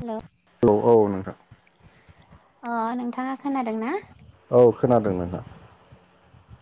Hello hello औ नोंथां। अ नोंथाङा खोनादों ना? औ खोनादों नोंथां।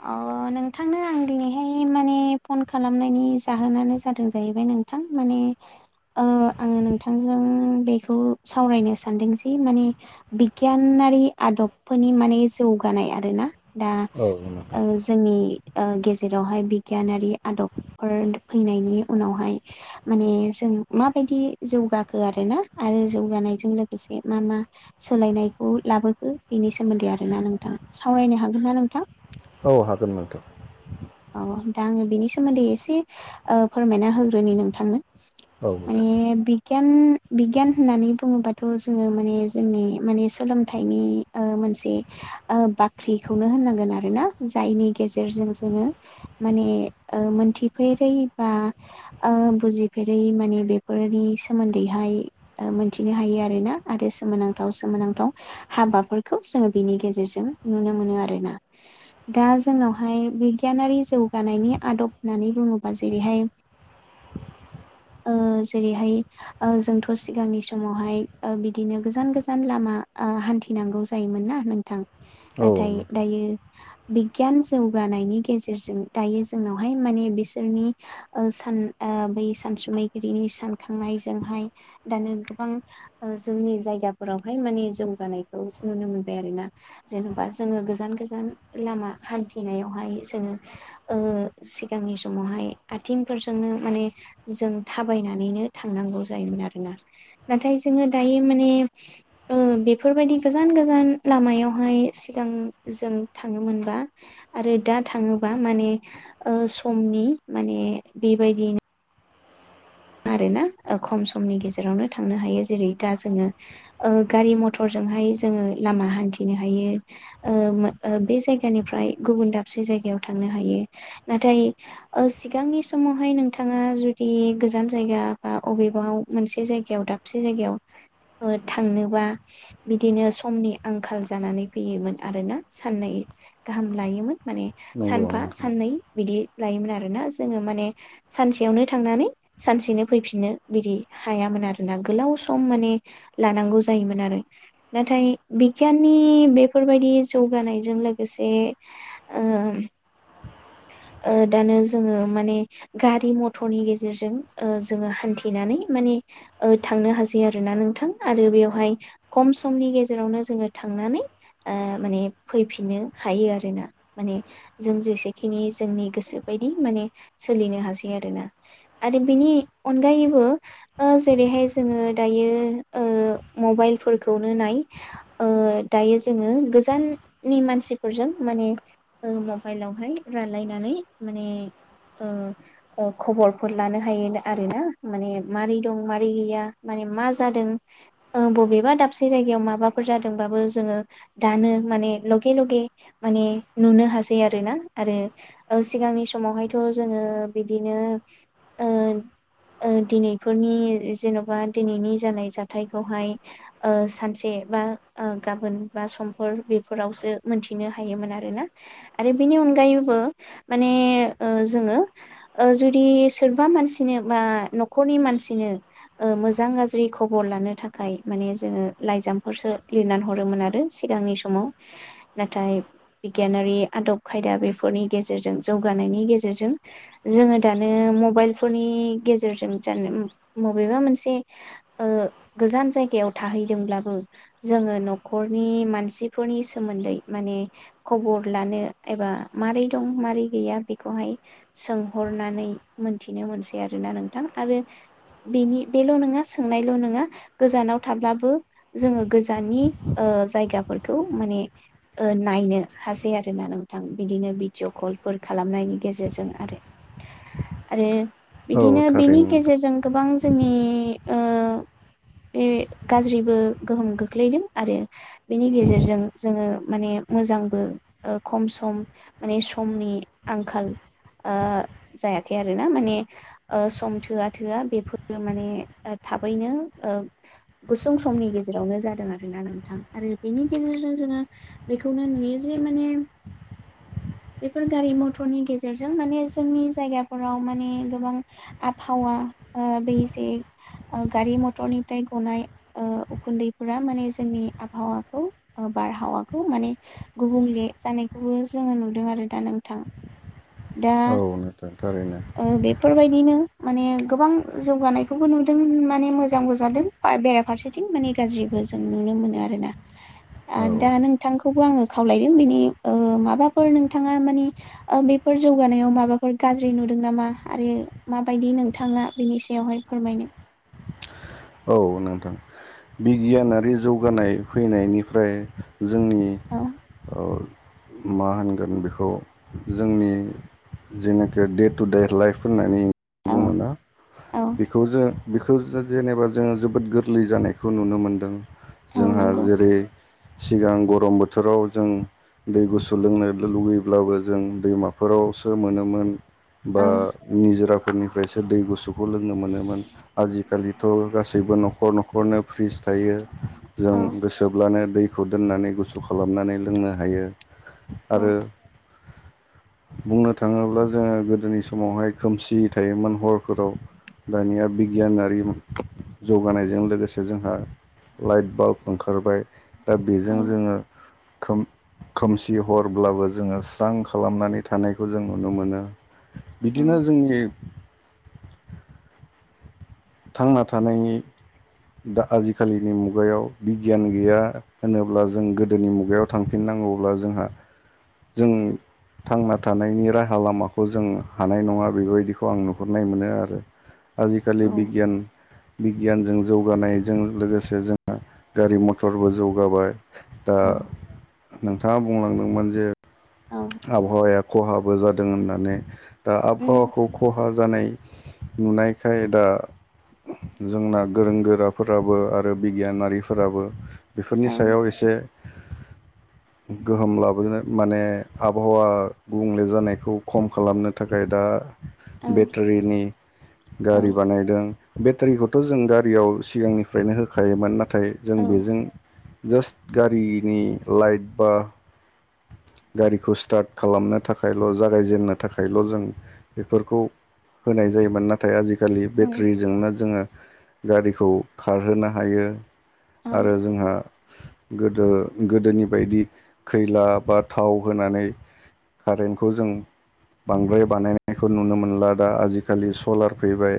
अ नोंथांनो आं दिनैहाय माने फन खालामनायनि जाहोनानो जादों जाहैबाय नोंथां माने ओ आङो नोंथांजों बेखौ सावरायनो सानदों जि माने बिगियान नारि आदबफोरनि माने जौगानाय आरोना दा औ नोंथां जोंनि गेजेरावहाय बिगियानारि आदबफोर फैनायनि उनावहाय माने जों माबायदि जौगाखो आरोना आरो जौगानायजों लोगोसे मा मा सोलायनायखौ खौ लाबोखो बेनि सोमोन्दै आरोना नोंथाङा सावरायनो हागोन ना नोंथां? औ हागोन नोंथों। औ दा आङो बिनि सोमोन्दै एसे ओ फोरमायना होग्रोनि नोंथांनो। औ दे माने बिगियान बिगियान होननानै बुङोबा थ' जोङो माने जोंनि माने सोलोंथाइनि ओ मोनसे बाख्रिखौनो होन नांगोन आरो ना। जायनि गेजेरजों जोङो माने ओ मोनथिफेरै बा ओ बुजिफेरै माने बेफोरनि सोमोन्दैहाय मोनथिनो हायो आरोना आरो सोमोन सोम सोमोनांथाव हाबाफोरखौ जोङो बिनि गेजेरजों नुनो मोनो आरोना दा जोंनावहाय बिगियानारि जौगानायनि आदब होननानै बुङोबा जेरैहाय [inaudible] ओ जेरैहाय ओ जोंथ' सिगांनि समावहाय बिदिनो गोजान गोजान लामा ओ हान्थिनांगौ जायोमोन ना नोंथां औ नाथाय नोंथां दायो बिगियान जौगानायनि गेजेरजों दायो जोंनावहाय माने बिसोरनि सान बै सानसुमैगिरिनि सानखांनायजोंहाय दानो गोबां जोंनि जायगा फोरावहाय माने जौगानायखौ नुनो मोनबाय आरोना जेनेबा जोङो गोजान गोजान लामा हान्थिनायावहाय जोङो सिगांनि समावहाय आथिंफोरजोंनो माने जों थाबायनानैनो थांनांगौ जायोन आरोना नाथाय जोङो दायो माने ने ओ बेफोरबायदि गोजान गोजान लामायावहाय सिगां जों थाङोमोनबा आरो दा थाङोबा माने ओ समनि माने बे बेबायदिनो आरोना खम समनि गेजेरावनो थांनो हायो जेरै दा जोङो गारि ओ मथर आवगाय जोंङो लामा हान्थिनो हायो ओ ओ बे जायगानिफ्राय गुबुन दसे जाय गलायाव थांनो हायो नाथाय ओ सिगांनि समावहाय नोंथाङा जुदि गोजान जायगा बा बबेबाव मोनसे जायगायाव दाबसे जायगायाव थांनोबा बिदिनो समनि आंखाल जानानै फैयोमोन आरोना साननाय गाहाम लायोमोन माने नंगौ सानफा नोंथां साननै बिदि लायोमोन आरोना जोङो माने सानसेयावनो थांनानै सानसेनो फैफिननो बिदि हायामोन आरोना गोलाव सम माने लानांगौ जायोमोन आरो नाथाय बिगियाननि बेफोरबायदि जौगानायजों लोगोसे [unintelligible] दानो जोङो माने गारि मथरनि गेजेरजों जोङो हान्थिनानै माने थांनो हासै आरोना नोंथां आरो बेवहाय खम समनि गेजेरावनो जोङो थांनानै माने फैफिननो हायो आरोना माने जों जेसे नि जोंनि गोसो बायदि माने सोलिनो हासै आरोना आरो बिनि अनगायैबो जेरैहाय जोङो दायो मबाइलफोरखौनो नाय दायो जोङो गोजाननि मानसिफोरजों माने मबाइलावहाय रानलायनानै माने खबरफोर लानो हायो आरोना माने मारै दं मारै गैया मा जादों बबेबा दाबसे जायगायाव माबाफोर जादोंब्लाबो जोङो दानो माने लगे लगे माने नुनो हासै आरोना आरो सिगांनि समावहायथ' जोङो बिदिनो दिनैफोरनि जेन'बा दिनैनि जानाय जाथायखौहाय सानसे गाबोन बा समफोर बेफोरावसो मोनथिनो हायोमोन आरोना आरो बेनि अनगायै अनगायैबो माने जोङो जुदि सोरबा मानसिनो बा न'खरनि मानसिनो मोजां गाज्रि खबर लानो थाखाय माने जोङो लाइजामफोरसो लिरनानै हरोमोन आरो सिगांनि समाव नाथाय बिगियानारि आदब खायदा बे फोरनि गेजेरजों जौगानायनि गेजेरजों जोङो दानो मबाइलफोरनि गेजेरजों बेबा मोनसे गोजान जाय थाहैदोंबो जोङो न'खरनि मानसिफोरनि सोमोन्दै माने खबर लानो एबा माबारै दं मारै गैया बेखौहाय सोंहरनानै मोनथिनो मोनसै आरोना नोंथां आरो बेनि बेल' नङा सोंनायल' नङा गोजानाव थाब्लाबो जोङो गोजाननि जायगाफोरखौ माने नायनो हासै आरोना नोंथां बिदिनो भिडिअ कलफोर खालामनायनि गेजेरजों आरो आरो औ बिदिनो बिनि थारैनो नोंथां गेजेरजों गोबां जोंनि बे गाज्रिबो गोहोम खोख्लैदों आरो बेनि गेजेरजों जोङो माने मोजांबो खम सम माने समनि आंखाल जायाखै आरोना माने सम थोआ थोआ बेफोरो माने थाबैनो गुसुं समनि गेजेरावनो जादों आरोना नोंथां आरो बेनि गेजेरजों जों बेखौनो नुयो जे माने बेफोर गारि मथरनि गेजेरजों माने जोंनि जायगाफोराव माने गोबां आबहावा बे जे गारि मथरनिफ्राय गनाय उखुन्दैफोरा माने जोंनि आबहावाखौ बारहावाखौ माने गुबुंले जानायखौबो जोङो नुदों आरो दा नोंथां दा औ नोंथां थारैनो बेफोरबायदिनो माने गोबां जौगानायखौबो नुदों माने मोजांबो जादों बेराफारसेथिं माने गाज्रिबो जों नुनो मोनो आरोना औ दा नोंथां खौबो आङो खावलायोबेनि नोंथाङा मानि बेफोर जौगानायाव माबाफोर गाज्रि नुदों नामा आरो मा बायदि नोंथाङा बेनि सायावहाय फोरमायनो औ नोंथां बिगियानारि जौगानाय फैनायनिफ्राय जोंनि औ मा होनगोन बेखौ जोंनि जेनाखि दे टु दे लाइफ होननानै औ बुङोना औ बेखौ जों बेखौ जेनेबा जोङो जोबोद गोरलै जानायखौ नुनो मोनदों औ जोंहा नंगौ जेरै सिगां गरम बोथोराव जों दै गुसु लोंनो लुगैब्लाबो जों दैमाफोरावसो मोनोमोन। औ बा निजोराफोरनिफ्रायसो दै गुसु लोंनो मोनोमोन आजिखालिथ' गासैबो न'खर न'खरनो फ्रिस थायो जों औ गोसोब्लानो दै दैखौ दोननानै गुसु खालामनानै लोंनो हायो औ आरो बुंनो थाङोब्ला जोङो गोदोनि समावहाय खोमसि थायोमोन हरफोराव दानिया बिगियानारि जौगानायजों लोगोसे जोंहा लाइट बाल्ब ओंखारबाय दा बेजों जोङो खोमसि हरब्लाबो जोङो स्रां खालामनानै थानायखौ जों नुनो मोनो औ बिदिनो जोंनि थांना थानायनि दा आजिखालिनि मुगायाव बिगियान गैया होनोब्ला जों गोदोनि मुगायाव थांफिननां नांगौब्ला जोंहा जों थांना थानायनि राहा लामाखौ जों हानाय नङा बेबायदिखौ आं नुहुरनाय मोनो आरो आजिखालि औ बिगियान बिगियानजों जौगानायजों लोगोसे जोंहा गारि मथरबो जौगाबाय। दा औ नोंथाङा बुंलांदोंमोन जे औ आबहावाया खहाबो जादों होननानै दा उम आबहावाखौ खहा जानाय नुनायखाय दा जोंना गोरों गोराफोराबो आरो बिगियानारिफोराबो बेफोरनि औ सायाव एसे गोहोम लाबोनो माने आबहावा गुबुंले जानायखौ खम खालामनो थाखाय दा औ बेटारिनि औ गारि बानायदों बेटारिखौथ' जों गारियाव सिगांनिफ्रायनो होखायोमोन नाथाय नाथाय जों औ बेजों जास्ट गारि लाइट बा गारिखौ स्टार्ट खालामनो थाखायल' जागायजेननो थाखायल' जों बेफोरखौ होनाय जायोमोन नाथाय आजि आजिखालि औ बेटारिजोंनो जोङो गारिखौ खारहोनो हायो। आरो जोंहा गोदो गोदोनि बायदि खैलाबाद थाव होनानै कारेन्टखौ जों बांद्राय बानायनायखौ नुनो मोनला दा आजिखालि सलार फैबाय।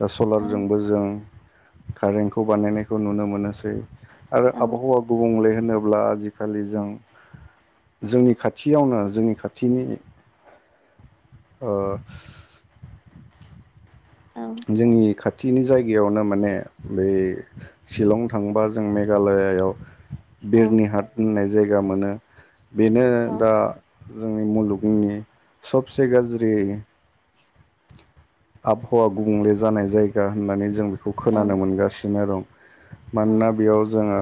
दा औ सलारजोंबो जों कारेन्टखौ बानायनायखौ नुनो मोनोसै आरो औ आबहावा गुबुंले होनोब्ला आजिखालि जों जोंनि खाथियावनो जोंनि खाथिनि ओ औ जोंनि खाथिनि जायगायावनो माने बै शिलं थांबा जों मेघालय जायगायाव बिरनि हाट होननाय जायगा मोनो बेनो दा जोंनि मुलुगनि सबसे गाज्रि [inaudible] आबहावा गुबुंले जानाय जायगा होननानै जों खौ औ खोनानो मोनगासिनो दं मानोना बेयाव जोङो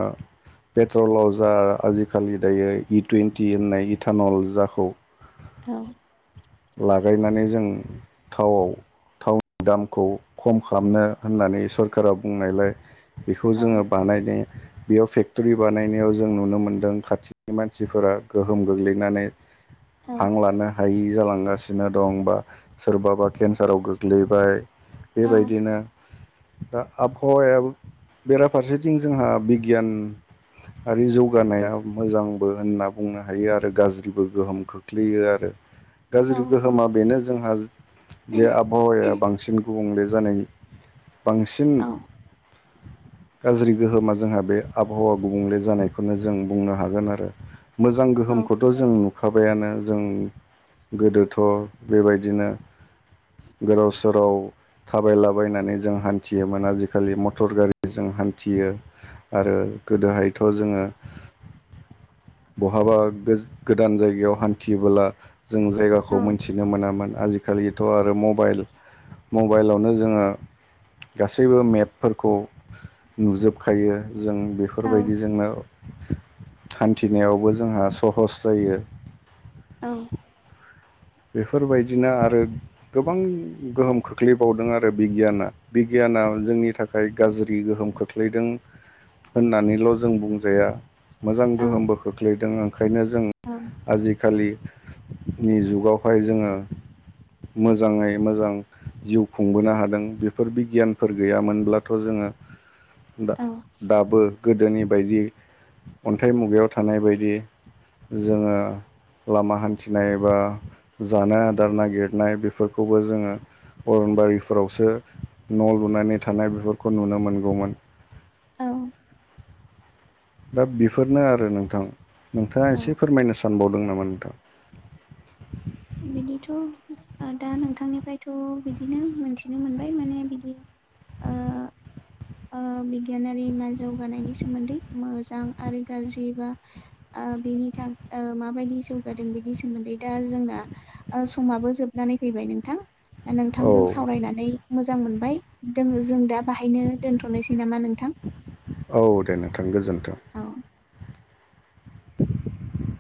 पेट्रलाव जा आजिखालि दायो इ टुवन्टि होननाय इटानल जाखौ औ लागायनानै जों थावआव नि दामखौ खम खालामनो होननानै सरखारारा बुंनायलाय बेखौ जोङो बानायनाय बेयाव फेक्ट'रि बानायनायाव जों नुनो मोन्दों खाथिनि मानसिफोरा गोहोम गोग्लैनानै हां लानो हायि जालांगासिनो दं बा सोरबाबा केन्साराव गो गोग्लैबाय बेबायदिनो दा आबहावायाबो बेराफारसेथिं जोंहा बिगियान आरो जौगानाया मोजांबो होनना बुंनो हायो आरो गाज्रिबो गोहोम खोख्लैयो आरो गाज्रि गोहोमा बेनो जोंहा जे आबहावाया बांसिन गुबुंले जानाय बांसिन [inaudible] गाज्रि गोहोमा जोंहा बे आबहावा गुबुंले जानायखौनो जों बुंनो हागोन आरो मोजां औ गोहोमखौथ' जों हुखाबायानो जों गोदोथ' बेबायदिनो गोदाव सोराव थाबायलाबायनानै जों हान्थियोमोन आजिखालि मटर गारिजों हान्थि यो आरो गोदोहायथ' जोङो [inaudible] बहाबा गोदान जायगायाव हान्थियोबोला जों जायगाखौ औ मोनथिनो मोनामोन आजिखालिथ' आरो म मबाइल मबाइलावनो जोङो गासैबो मेपफोरखौ नुजोबखायो जों औ बेफोरबायदिजोंनो हान्थिनायावबो जोंहा सहस जायो औ बेफोरबायदिना आरो गोबां गोहोम खोख्लैबावदों आरो बिगियाना बिगियान जोंनि थाखाय गाज्रि गोहोम खोख्लैदों होननानैल' जों बुंजाया मोजां औ गोहोमबो खोख्लैदों ओंखायनो जों औ आजिखालिनि जुगाव बेहाय जोङो मोजाङै मोजां जिउ खुंबोनो हादों बेफोर बिगियानफोर गैयामोनब्लाथ' जो ङो दाबो गोदोनि बायदि अन्थाइ मुगायाव थानाय बायदि जोङो लामा हान्थिनाय बा जानाय आदार नागिरनाय बेफोरखौबो जोङो अरनबारिफोरावसो न' लुनानै थानाय बेफोरखौ नुनो मोनगौमोन औ दा बेफोरनो आरो नोंथां नोंथाङा औ एसे फोरमायनो सानबावदों नामा [inaudible] बिदिथ' दा नोंथांनिफ्रायथ' बिदिनो मोनथिनो मोनबाय माने बिदि ओ ओ बिगियानारि जौगानायनि सोमोन्दै मोजां आरो गाज्रि बा बेनि माबायदि जौगादों बिनि सोमोन्दै दा जोंना समाबो जोबनानै फैबाय नोंथां दा औ नोंथांजों सावरायनानै मोजां मोनबाय दङो जों दा बाहायनो दोनथ'नोसै नामा नोंथां औ दे नोंथां गोजोन्थों औ